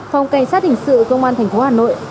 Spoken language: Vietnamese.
phòng cảnh sát hình sự công an thành phố hà nội